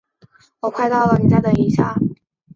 我快到了，你再等一下。